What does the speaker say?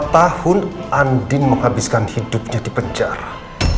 empat tahun andin menghabiskan hidupnya di penjara